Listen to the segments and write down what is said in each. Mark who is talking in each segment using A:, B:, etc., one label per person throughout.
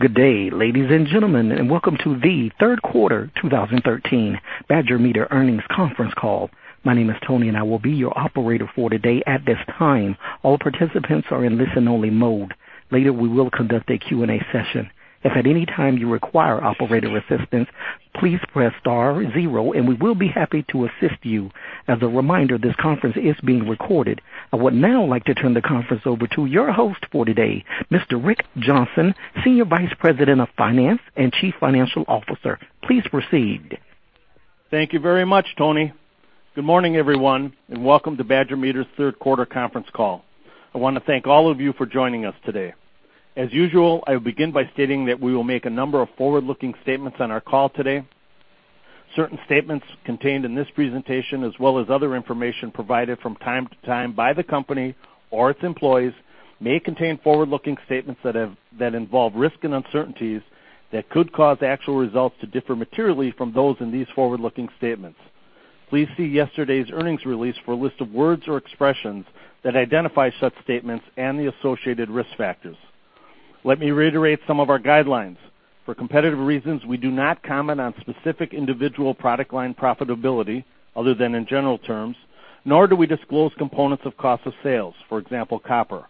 A: Good day, ladies and gentlemen, and welcome to the third quarter 2013 Badger Meter earnings conference call. My name is Tony, and I will be your operator for today. At this time, all participants are in listen-only mode. Later, we will conduct a Q&A session. If at any time you require operator assistance, please press star zero, and we will be happy to assist you. As a reminder, this conference is being recorded. I would now like to turn the conference over to your host for today, Mr. Rick Johnson, Senior Vice President of Finance and Chief Financial Officer. Please proceed.
B: Thank you very much, Tony. Good morning, everyone, and welcome to Badger Meter's third quarter conference call. I want to thank all of you for joining us today. As usual, I will begin by stating that we will make a number of forward-looking statements on our call today. Certain statements contained in this presentation, as well as other information provided from time to time by the company or its employees, may contain forward-looking statements that involve risk and uncertainties that could cause actual results to differ materially from those in these forward-looking statements. Please see yesterday's earnings release for a list of words or expressions that identify such statements and the associated risk factors. Let me reiterate some of our guidelines. For competitive reasons, we do not comment on specific individual product line profitability, other than in general terms, nor do we disclose components of cost of sales, for example, copper.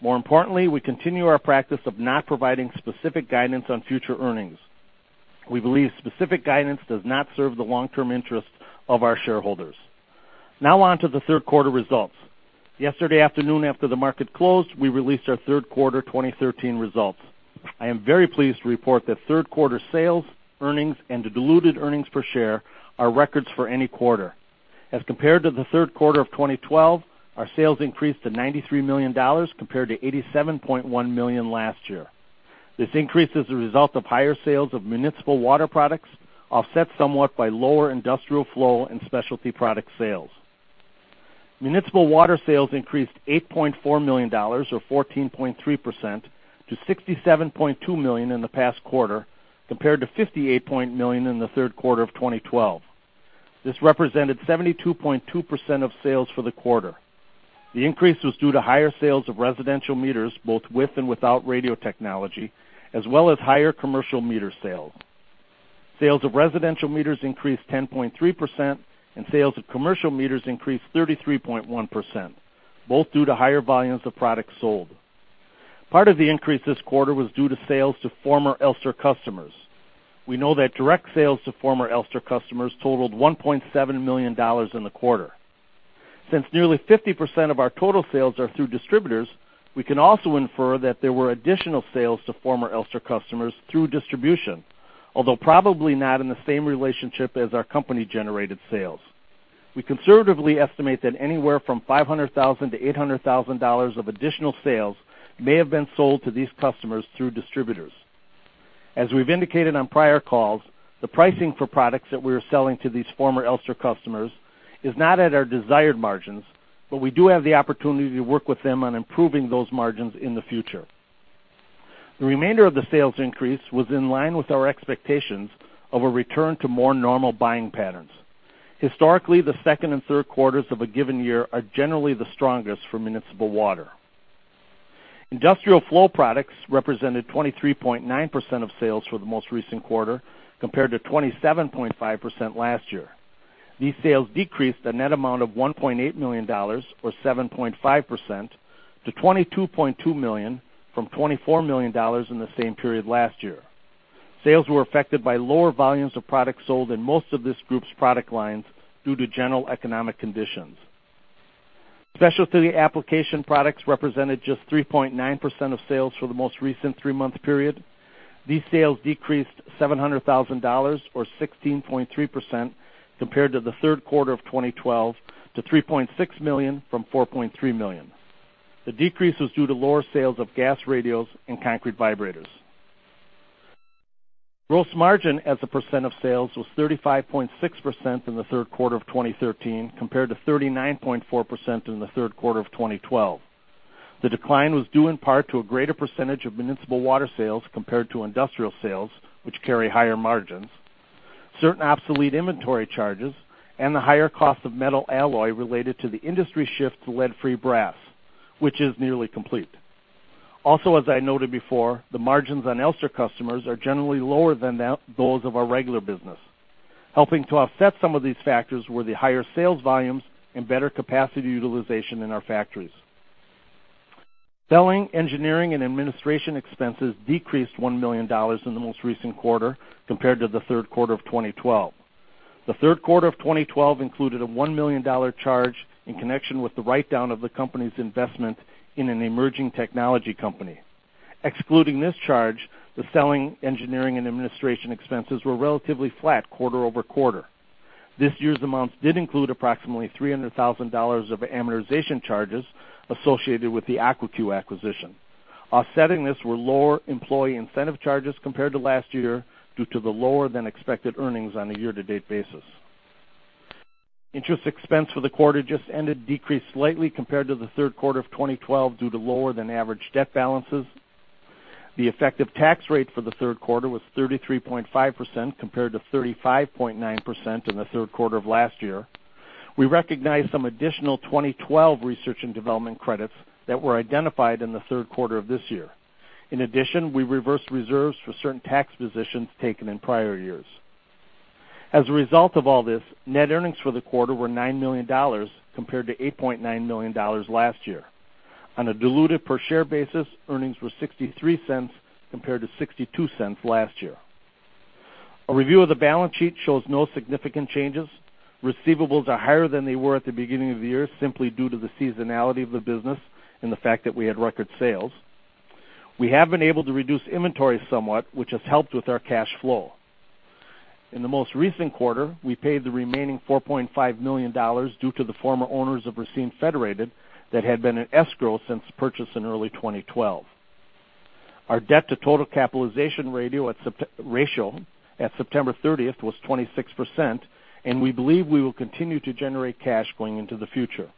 B: More importantly, we continue our practice of not providing specific guidance on future earnings. We believe specific guidance does not serve the long-term interest of our shareholders. Now on to the third quarter results. Yesterday afternoon, after the market closed, we released our third quarter 2013 results. I am very pleased to report that third-quarter sales, earnings, and diluted earnings per share are records for any quarter. As compared to the third quarter of 2012, our sales increased to $93 million compared to $87.1 million last year. This increase is a result of higher sales of municipal water products, offset somewhat by lower industrial flow and specialty product sales. Municipal water sales increased $8.4 million, or 14.3%, to $67.2 million in the past quarter, compared to $58 million in the third quarter of 2012. This represented 72.2% of sales for the quarter. The increase was due to higher sales of residential meters, both with and without radio technology, as well as higher commercial meter sales. Sales of residential meters increased 10.3%, and sales of commercial meters increased 33.1%, both due to higher volumes of products sold. Part of the increase this quarter was due to sales to former Elster customers. We know that direct sales to former Elster customers totaled $1.7 million in the quarter. Since nearly 50% of our total sales are through distributors, we can also infer that there were additional sales to former Elster customers through distribution, although probably not in the same relationship as our company-generated sales. We conservatively estimate that anywhere from $500,000 to $800,000 of additional sales may have been sold to these customers through distributors. As we've indicated on prior calls, the pricing for products that we are selling to these former Elster customers is not at our desired margins, but we do have the opportunity to work with them on improving those margins in the future. The remainder of the sales increase was in line with our expectations of a return to more normal buying patterns. Historically, the second and third quarters of a given year are generally the strongest for municipal water. Industrial flow products represented 23.9% of sales for the most recent quarter, compared to 27.5% last year. These sales decreased a net amount of $1.8 million, or 7.5%, to $22.2 million from $24 million in the same period last year. Sales were affected by lower volumes of products sold in most of this group's product lines due to general economic conditions. Specialty application products represented just 3.9% of sales for the most recent three-month period. These sales decreased $700,000, or 16.3%, compared to the third quarter of 2012, to $3.6 million from $4.3 million. The decrease was due to lower sales of gas radios and concrete vibrators. Gross margin as a % of sales was 35.6% in the third quarter of 2013, compared to 39.4% in the third quarter of 2012. The decline was due in part to a greater percentage of municipal water sales compared to industrial sales, which carry higher margins, certain obsolete inventory charges, and the higher cost of metal alloy related to the industry shift to lead-free brass, which is nearly complete. Also, as I noted before, the margins on Elster customers are generally lower than those of our regular business. Helping to offset some of these factors were the higher sales volumes and better capacity utilization in our factories. Selling, engineering, and administration expenses decreased $1 million in the most recent quarter compared to the third quarter of 2012. The third quarter of 2012 included a $1 million charge in connection with the write-down of the company's investment in an emerging technology company. Excluding this charge, the selling, engineering, and administration expenses were relatively flat quarter-over-quarter. This year's amounts did include approximately $300,000 of amortization charges associated with the Aquacue acquisition. Offsetting this were lower employee incentive charges compared to last year due to the lower-than-expected earnings on a year-to-date basis. Interest expense for the quarter just ended decreased slightly compared to the third quarter of 2012 due to lower-than-average debt balances. The effective tax rate for the third quarter was 33.5% compared to 35.9% in the third quarter of last year. We recognized some additional 2012 research and development credits that were identified in the third quarter of this year. In addition, we reversed reserves for certain tax positions taken in prior years. As a result of all this, net earnings for the quarter were $9 million, compared to $8.9 million last year. On a diluted per share basis, earnings were $0.63 compared to $0.62 last year. A review of the balance sheet shows no significant changes. Receivables are higher than they were at the beginning of the year, simply due to the seasonality of the business and the fact that we had record sales. We have been able to reduce inventory somewhat, which has helped with our cash flow. In the most recent quarter, we paid the remaining $4.5 million due to the former owners of Racine Federated that had been in escrow since purchase in early 2012. Our debt to total capitalization ratio at September 30th was 26%, and we believe we will continue to generate cash going into the future.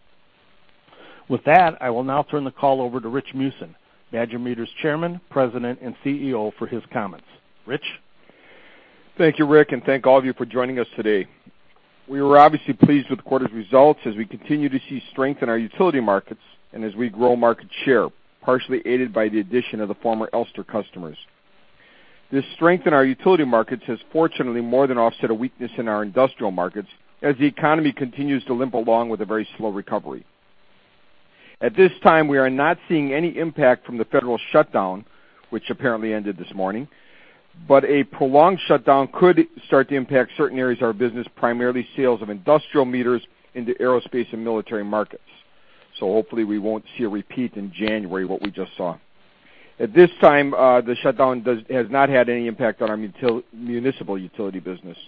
B: With that, I will now turn the call over to Rich Meeusen, Badger Meter's Chairman, President, and CEO, for his comments. Rich Meeusen?
C: Thank you, Rick Johnson, and thank all of you for joining us today. We were obviously pleased with the quarter's results as we continue to see strength in our utility markets and as we grow market share, partially aided by the addition of the former Elster customers. This strength in our utility markets has fortunately more than offset a weakness in our industrial markets as the economy continues to limp along with a very slow recovery. At this time, we are not seeing any impact from the federal shutdown, which apparently ended this morning. A prolonged shutdown could start to impact certain areas of our business, primarily sales of industrial meters in the aerospace and military markets. Hopefully we won't see a repeat in January, what we just saw. At this time, the shutdown has not had any impact on our municipal utility business.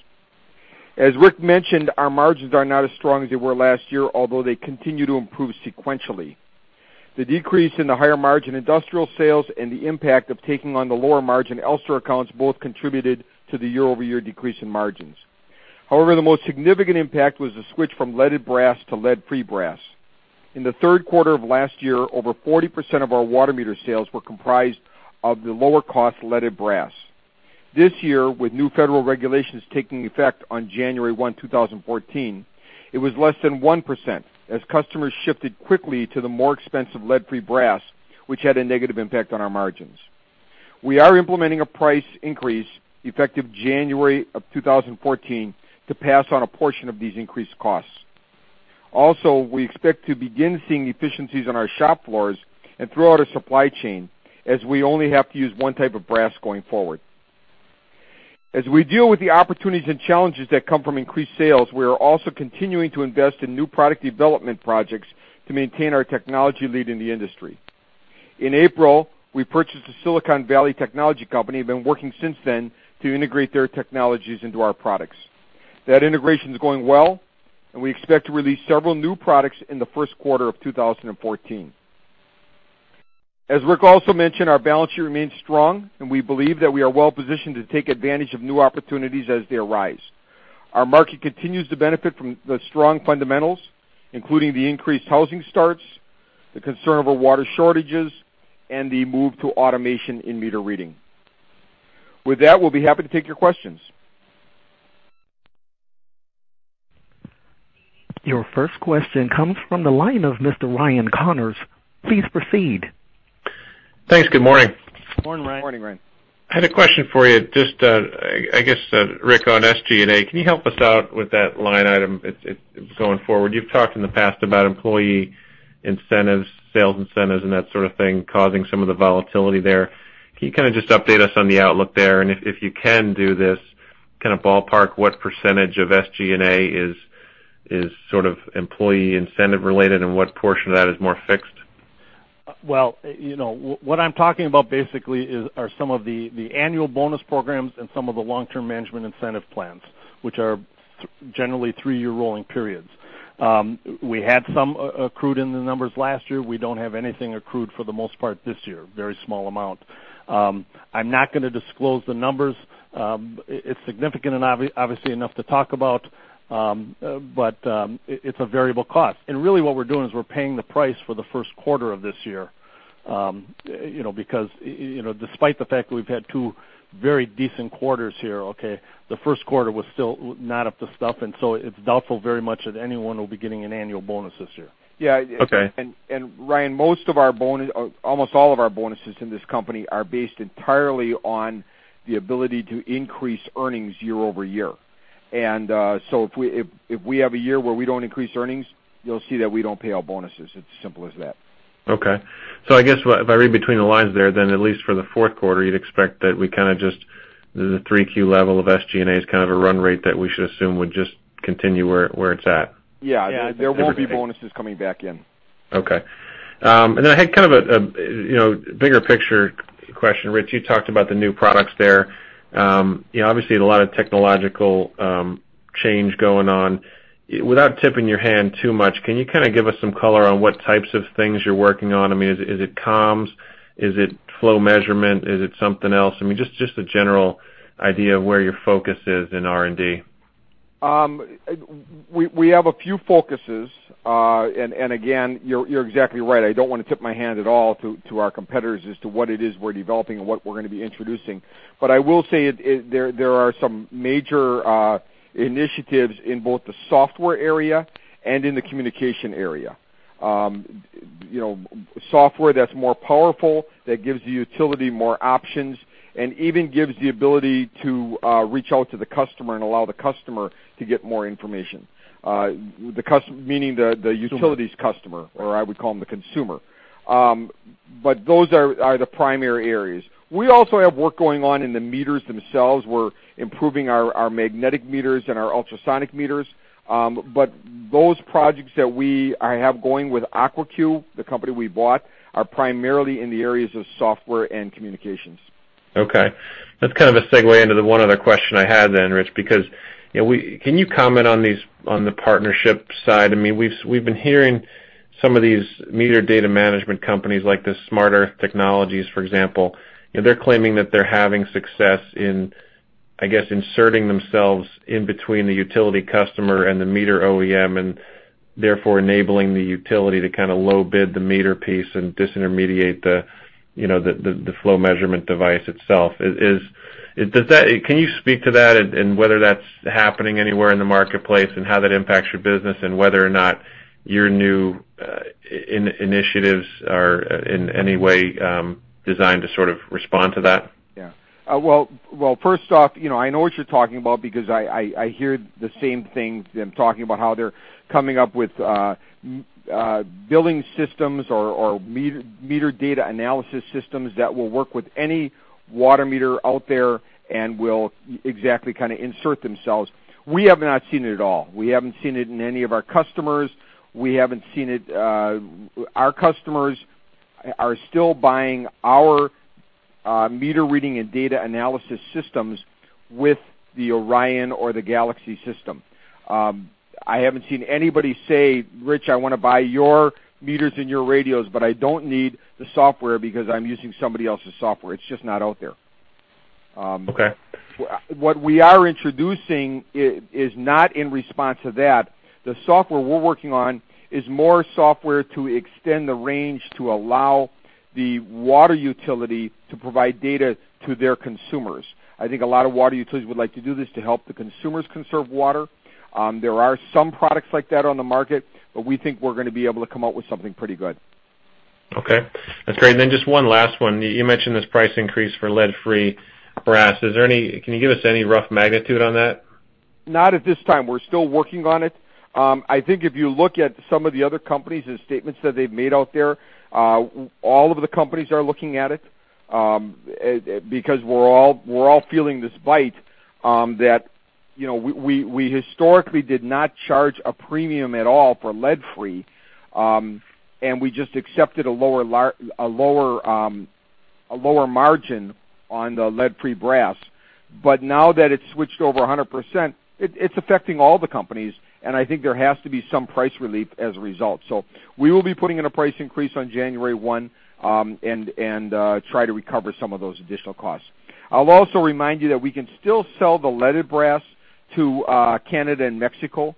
C: As Rick Johnson mentioned, our margins are not as strong as they were last year, although they continue to improve sequentially. The decrease in the higher-margin industrial sales and the impact of taking on the lower-margin Elster accounts both contributed to the year-over-year decrease in margins. However, the most significant impact was the switch from leaded brass to lead-free brass. In the third quarter of last year, over 40% of our water meter sales were comprised of the lower-cost leaded brass. This year, with new federal regulations taking effect on January 1, 2014, it was less than 1% as customers shifted quickly to the more expensive lead-free brass, which had a negative impact on our margins. We are implementing a price increase effective January of 2014 to pass on a portion of these increased costs. We expect to begin seeing efficiencies on our shop floors and throughout our supply chain, as we only have to use one type of brass going forward. As we deal with the opportunities and challenges that come from increased sales, we are also continuing to invest in new product development projects to maintain our technology lead in the industry. In April, we purchased a Silicon Valley technology company and have been working since then to integrate their technologies into our products. That integration is going well, and we expect to release several new products in the first quarter of 2014. As Rick Johnson also mentioned, our balance sheet remains strong, and we believe that we are well-positioned to take advantage of new opportunities as they arise. Our market continues to benefit from the strong fundamentals, including the increased housing starts, the concern over water shortages, and the move to automation in meter reading. With that, we'll be happy to take your questions.
A: Your first question comes from the line of Mr. Ryan Connors. Please proceed.
D: Thanks. Good morning.
C: Morning, Ryan.
B: Morning, Ryan.
D: I had a question for you, just, I guess, Rick, on SG&A. Can you help us out with that line item going forward? You've talked in the past about employee incentives, sales incentives, and that sort of thing causing some of the volatility there. Can you just update us on the outlook there? If you can do this, kind of ballpark what % of SG&A is employee incentive-related, and what portion of that is more fixed?
B: Well, what I'm talking about basically are some of the annual bonus programs and some of the long-term management incentive plans, which are generally three-year rolling periods. We had some accrued in the numbers last year. We don't have anything accrued for the most part this year. Very small amount. I'm not going to disclose the numbers. It's significant and obviously enough to talk about. It's a variable cost. Really what we're doing is we're paying the price for the first quarter of this year, because despite the fact that we've had two very decent quarters here, okay, the first quarter was still not up to snuff, and so it's doubtful very much that anyone will be getting an annual bonus this year.
C: Yeah.
D: Okay.
C: Ryan, almost all of our bonuses in this company are based entirely on the ability to increase earnings year-over-year. If we have a year where we don't increase earnings, you'll see that we don't pay out bonuses. It's as simple as that.
D: Okay. I guess if I read between the lines there, then at least for the fourth quarter, you'd expect that we kind of just, the three Q level of SG&A is kind of a run rate that we should assume would just continue where it's at.
C: Yeah. There won't be bonuses coming back in.
D: Okay. I had kind of a bigger picture question. Rich, you talked about the new products there. Obviously a lot of technological change going on. Without tipping your hand too much, can you give us some color on what types of things you're working on? Is it comms? Is it flow measurement? Is it something else? Just a general idea of where your focus is in R&D.
C: We have a few focuses. Again, you're exactly right. I don't want to tip my hand at all to our competitors as to what it is we're developing and what we're going to be introducing. I will say there are some major initiatives in both the software area and in the communication area. Software that's more powerful, that gives the utility more options, and even gives the ability to reach out to the customer and allow the customer to get more information. Meaning the utility's customer, or I would call them the consumer. Those are the primary areas. We also have work going on in the meters themselves. We're improving our magnetic meters and our ultrasonic meters. Those projects that I have going with Aquacue, the company we bought, are primarily in the areas of software and communications.
D: Okay. That's kind of a segue into the one other question I had, Rich. Can you comment on the partnership side? We've been hearing some of these meter data management companies like Smart Earth Technologies, for example. They're claiming that they're having success in, I guess, inserting themselves in between the utility customer and the meter OEM, and therefore enabling the utility to low bid the meter piece and disintermediate the flow measurement device itself. Can you speak to that, and whether that's happening anywhere in the marketplace, and how that impacts your business, and whether or not your new initiatives are in any way designed to sort of respond to that?
C: Yeah. First off, I know what you're talking about because I hear the same things, them talking about how they're coming up with billing systems or meter data analysis systems that will work with any water meter out there and will exactly kind of insert themselves. We have not seen it at all. We haven't seen it in any of our customers. Our customers are still buying our meter reading and data analysis systems with the ORION or the GALAXY system. I haven't seen anybody say, "Rich, I want to buy your meters and your radios, but I don't need the software because I'm using somebody else's software." It's just not out there.
D: Okay.
C: What we are introducing is not in response to that. The software we're working on is more software to extend the range to allow the water utility to provide data to their consumers. I think a lot of water utilities would like to do this to help the consumers conserve water. There are some products like that on the market. We think we're going to be able to come out with something pretty good.
D: Okay. That's great. Just one last one. You mentioned this price increase for lead-free brass. Can you give us any rough magnitude on that?
C: Not at this time. We're still working on it. I think if you look at some of the other companies and statements that they've made out there, all of the companies are looking at it, because we're all feeling this bite, that we historically did not charge a premium at all for lead-free, and we just accepted a lower margin on the lead-free brass. Now that it's switched over 100%, it's affecting all the companies, and I think there has to be some price relief as a result. We will be putting in a price increase on January 1 and try to recover some of those additional costs. I'll also remind you that we can still sell the leaded brass to Canada and Mexico.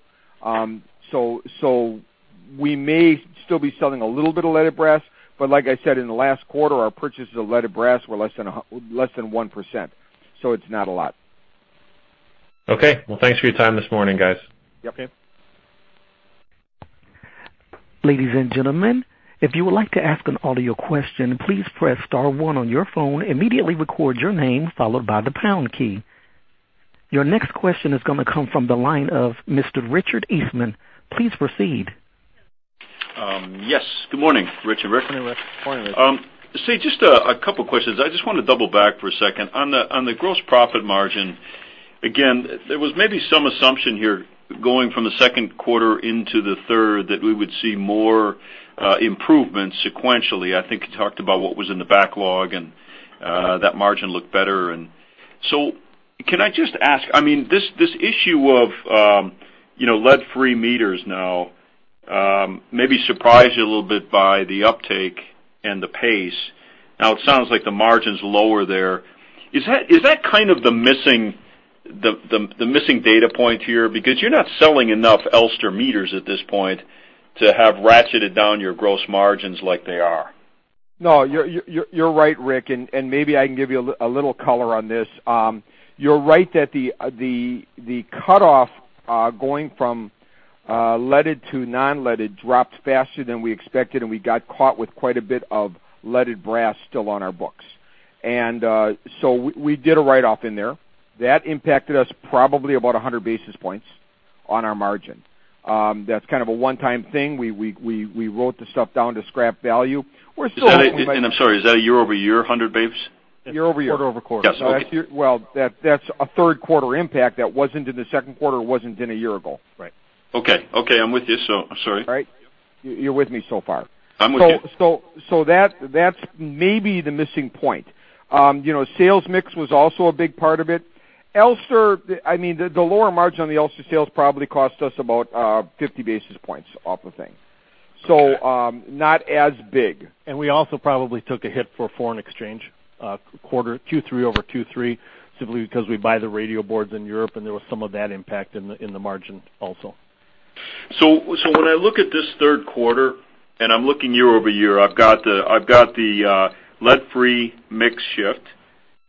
C: We may still be selling a little bit of leaded brass, but like I said, in the last quarter, our purchases of leaded brass were less than 1%, it's not a lot.
D: Okay. Well, thanks for your time this morning, guys.
C: Yep.
B: Okay.
A: Ladies and gentlemen, if you would like to ask an audio question, please press star one on your phone, immediately record your name, followed by the pound key. Your next question is going to come from the line of Mr. Richard Eastman. Please proceed.
E: Yes. Good morning, Rich and Rick.
B: Good morning, Rich.
E: Just a couple of questions. I just want to double back for a second. On the gross profit margin, again, there was maybe some assumption here going from the second quarter into the third that we would see more improvement sequentially. I think you talked about what was in the backlog, and that margin looked better. Can I just ask, this issue of lead-free meters now maybe surprised you a little bit by the uptake and the pace. Now it sounds like the margin's lower there. Is that kind of the missing data point here? Because you're not selling enough Elster meters at this point to have ratcheted down your gross margins like they are.
C: No, you're right, Rick, maybe I can give you a little color on this. You're right that the cutoff going from leaded to non-leaded dropped faster than we expected, and we got caught with quite a bit of leaded brass still on our books. We did a write-off in there. That impacted us probably about 100 basis points on our margin. That's kind of a one-time thing. We wrote the stuff down to scrap value. We're still. I'm sorry, is that a year-over-year 100 basis?
B: Year-over-year. Quarter-over-quarter.
E: Yes, okay.
C: Well, that's a third quarter impact that wasn't in the second quarter, wasn't in a year ago.
E: Right. Okay. I'm with you. I'm sorry.
C: All right. You're with me so far.
E: I'm with you.
C: That's maybe the missing point. Sales mix was also a big part of it. The lower margin on the Elster sales probably cost us about 50 basis points off the thing. Not as big.
B: We also probably took a hit for foreign exchange, Q3 over Q3, simply because we buy the radio boards in Europe, and there was some of that impact in the margin also.
E: When I look at this third quarter, and I'm looking year-over-year, I've got the lead-free mix shift.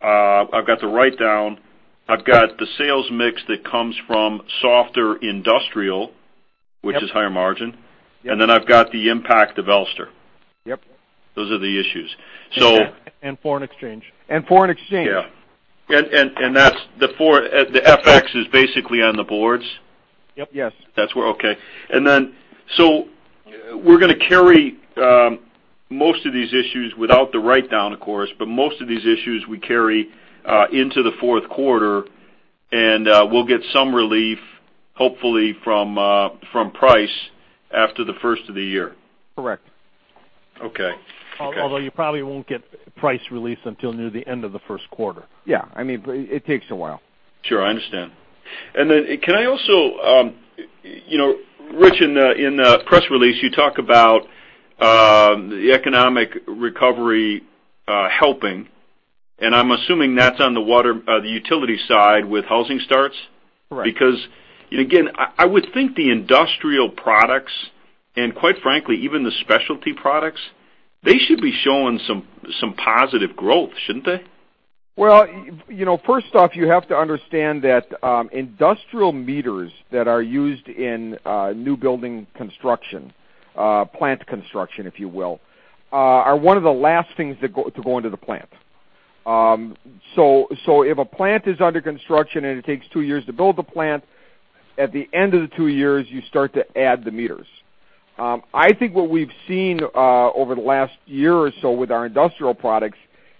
E: I've got the write-down. I've got the sales mix that comes from softer industrial-
C: Yep
E: Which is higher margin.
C: Yep.
E: I've got the impact of Elster.
C: Yep.
E: Those are the issues.
C: Foreign exchange.
E: Yeah. The FX is basically on the boards?
C: Yep. Yes.
E: We're going to carry most of these issues without the write-down, of course. Most of these issues we carry into the fourth quarter, and we'll get some relief, hopefully, from price after the first of the year.
C: Correct.
E: Okay.
C: Although you probably won't get price relief until near the end of the first quarter. Yeah, it takes a while.
E: Sure. I understand. Can I also Rich, in the press release, you talk about the economic recovery helping, and I'm assuming that's on the utility side with housing starts?
C: Right.
E: Again, I would think the industrial products and quite frankly, even the specialty products, they should be showing some positive growth, shouldn't they?
C: Well, first off, you have to understand that industrial meters that are used in new building construction, plant construction, if you will, are one of the last things to go into the plant. If a plant is under construction and it takes 2 years to build the plant, at the end of the 2 years, you start to add the meters. I think what we've seen, over the last year or so with our industrial products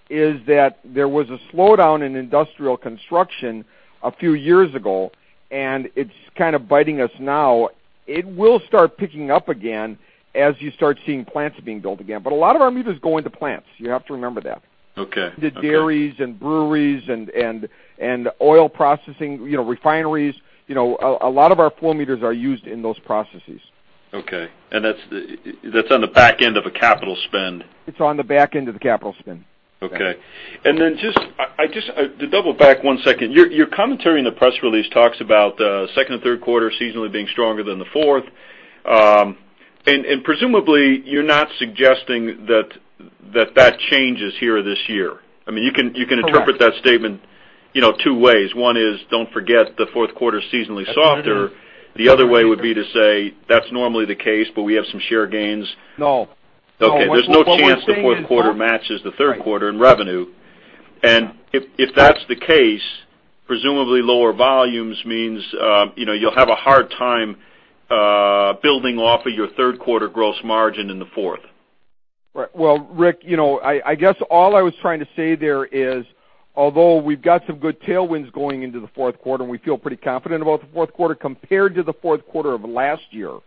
C: is that there was a slowdown in industrial construction a few years ago, and it's kind of biting us now. It will start picking up again as you start seeing plants being built again. A lot of our meters go into plants. You have to remember that.
E: Okay.
C: The dairies and breweries and oil processing refineries. A lot of our flow meters are used in those processes.
E: Okay. That's on the back end of a capital spend?
C: It's on the back end of the capital spend.
E: Okay. Then, to double back one second, your commentary in the press release talks about the second and third quarter seasonally being stronger than the fourth. Presumably, you're not suggesting that that changes here this year. I mean, you can-
C: Correct
E: interpret that statement two ways. One is, don't forget the fourth quarter seasonally softer. The other way would be to say that's normally the case, we have some share gains.
C: No.
E: Okay. There's no chance the fourth quarter matches the third quarter in revenue. If that's the case, presumably lower volumes means you'll have a hard time building off of your third quarter gross margin in the fourth.
C: Right. Well, Rick, I guess all I was trying to say there is, although we've got some good tailwinds going into the fourth quarter, we feel pretty confident about the fourth quarter compared to the fourth quarter of last year-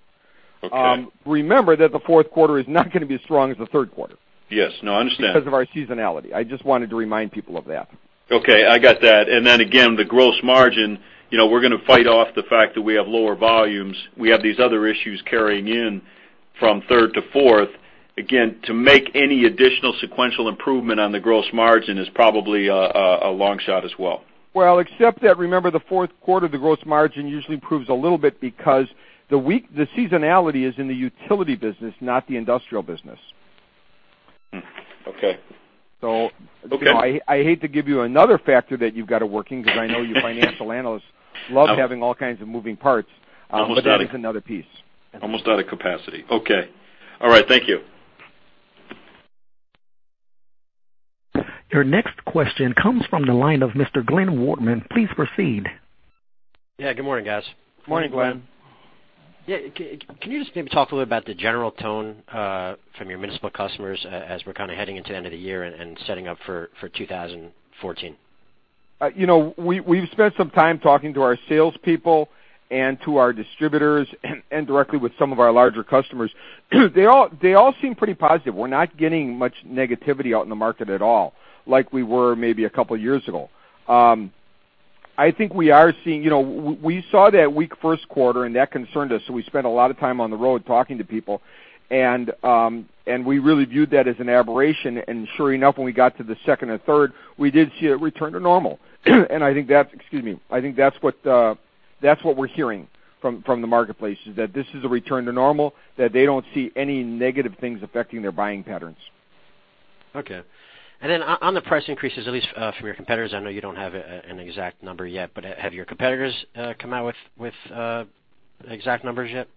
E: Okay
C: remember that the fourth quarter is not going to be as strong as the third quarter.
E: Yes. No, I understand.
C: because of our seasonality. I just wanted to remind people of that.
E: Okay, I got that. Again, the gross margin, we're going to fight off the fact that we have lower volumes. We have these other issues carrying in from third to fourth. Again, to make any additional sequential improvement on the gross margin is probably a long shot as well.
C: Well, except that, remember, the fourth quarter, the gross margin usually improves a little bit because the seasonality is in the utility business, not the industrial business.
E: Okay.
C: So-
E: Okay
C: I hate to give you another factor that you've got it working, because I know you financial analysts love having all kinds of moving parts.
E: Almost out of.
C: That is another piece.
E: Almost out of capacity. Okay. All right. Thank you.
A: Your next question comes from the line of Mr. Glenn Wartman. Please proceed.
F: Yeah. Good morning, guys.
C: Morning, Glenn.
F: Yeah. Can you just maybe talk a little about the general tone, from your municipal customers, as we're kind of heading into the end of the year and setting up for 2014?
C: We've spent some time talking to our salespeople and to our distributors and directly with some of our larger customers. They all seem pretty positive. We're not getting much negativity out in the market at all like we were maybe a couple of years ago. We saw that weak first quarter and that concerned us, so we spent a lot of time on the road talking to people. We really viewed that as an aberration. Sure enough, when we got to the second and third, we did see a return to normal. I think that's, excuse me, I think that's what we're hearing from the marketplace, is that this is a return to normal, that they don't see any negative things affecting their buying patterns.
F: Okay. On the price increases, at least from your competitors, I know you don't have an exact number yet, but have your competitors come out with exact numbers yet?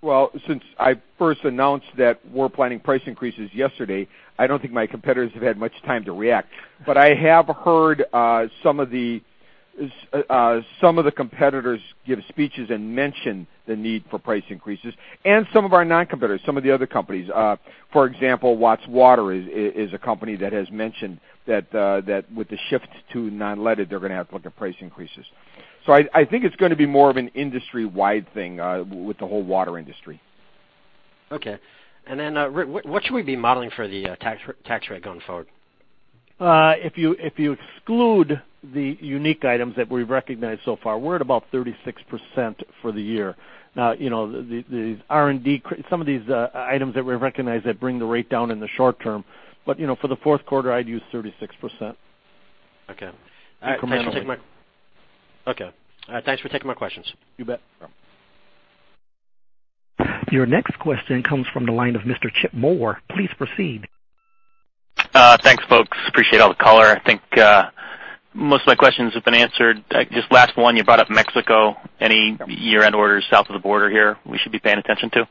C: Well, since I first announced that we're planning price increases yesterday, I don't think my competitors have had much time to react. I have heard some of the competitors give speeches and mention the need for price increases and some of our non-competitors, some of the other companies. For example, Watts Water is a company that has mentioned that with the shift to non-lead, they're going to have to look at price increases. I think it's going to be more of an industry-wide thing, with the whole water industry.
F: Okay. Then, Rick, what should we be modeling for the tax rate going forward?
B: If you exclude the unique items that we've recognized so far, we're at about 36% for the year. Now, these R&D, some of these items that we recognize that bring the rate down in the short term. For the fourth quarter, I'd use 36%.
F: Okay.
B: Incrementally.
F: Okay. Thanks for taking my questions.
C: You bet.
A: Your next question comes from the line of Mr. Chip Moore. Please proceed.
G: Thanks, folks. Appreciate all the color. I think most of my questions have been answered. Just last one, you brought up Mexico. Any year-end orders south of the border here we should be paying attention to?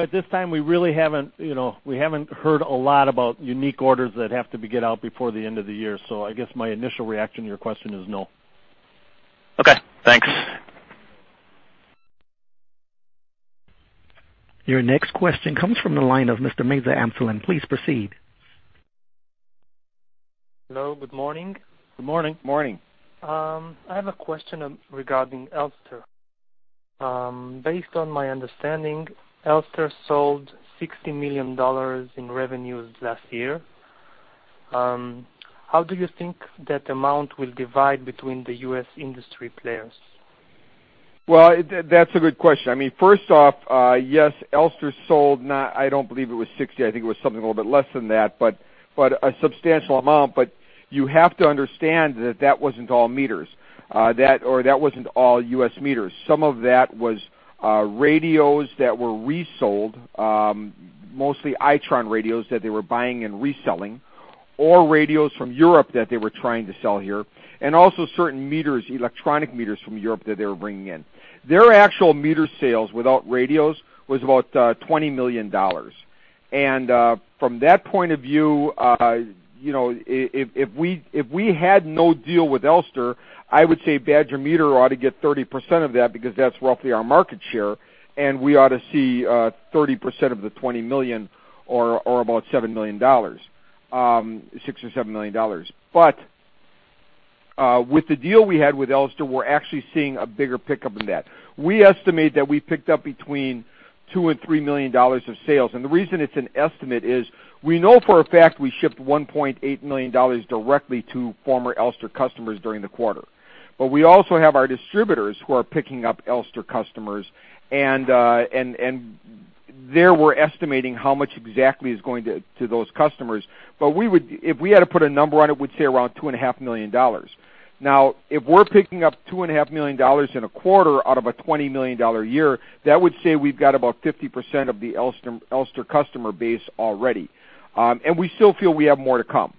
C: At this time, we really haven't heard a lot about unique orders that have to be get out before the end of the year. I guess my initial reaction to your question is no.
G: Okay, thanks.
A: Your next question comes from the line of Mr. Maza Amselan. Please proceed.
H: Hello. Good morning.
B: Good morning.
C: Morning.
H: I have a question regarding Elster. Based on my understanding, Elster sold $60 million in revenues last year. How do you think that amount will divide between the U.S. industry players?
C: Well, that's a good question. First off, yes, Elster sold, I don't believe it was 60. I think it was something a little bit less than that, but a substantial amount. You have to understand that that wasn't all meters. That wasn't all U.S. meters. Some of that was radios that were resold, mostly Itron radios that they were buying and reselling, or radios from Europe that they were trying to sell here, and also certain electronic meters from Europe that they were bringing in. Their actual meter sales without radios was about $20 million. From that point of view, if we had no deal with Elster, I would say Badger Meter ought to get 30% of that because that's roughly our market share, and we ought to see 30% of the $20 million or about $7 million, $6 million or $7 million. With the deal we had with Elster, we're actually seeing a bigger pickup than that. We estimate that we picked up between $2 million and $3 million of sales. The reason it's an estimate is we know for a fact we shipped $1.8 million directly to former Elster customers during the quarter. We also have our distributors who are picking up Elster customers, and there we're estimating how much exactly is going to those customers. If we had to put a number on it, we'd say around $2.5 million. Now, if we're picking up $2.5 million in a quarter out of a $20 million year, that would say we've got about 50% of the Elster customer base already. We still feel we have more to come.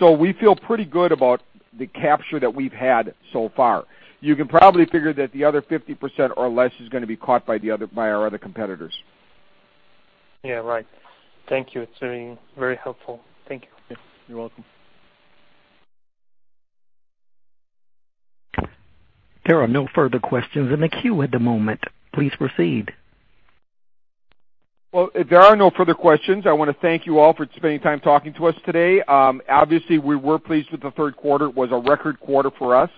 C: We feel pretty good about the capture that we've had so far. You can probably figure that the other 50% or less is going to be caught by our other competitors.
H: Yeah, right. Thank you. It's very helpful. Thank you.
C: You're welcome.
A: There are no further questions in the queue at the moment. Please proceed.
C: Well, if there are no further questions, I want to thank you all for spending time talking to us today. Obviously, we were pleased with the third quarter. It was a record quarter for us.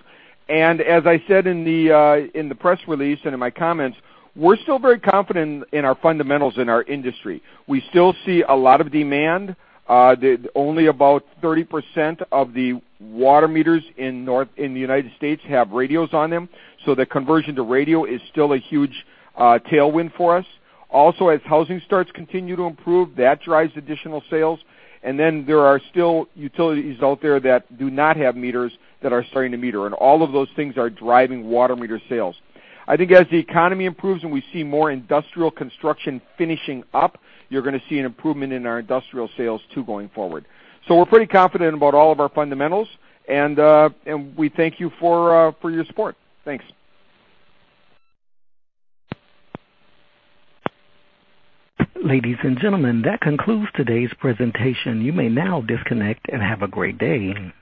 C: As I said in the press release and in my comments, we're still very confident in our fundamentals in our industry. We still see a lot of demand. Only about 30% of the water meters in the United States have radios on them, the conversion to radio is still a huge tailwind for us. Also, as housing starts continue to improve, that drives additional sales. There are still utilities out there that do not have meters that are starting to meter, all of those things are driving water meter sales. I think as the economy improves and we see more industrial construction finishing up, you're going to see an improvement in our industrial sales too, going forward. We're pretty confident about all of our fundamentals, and we thank you for your support. Thanks.
A: Ladies and gentlemen, that concludes today's presentation. You may now disconnect, and have a great day.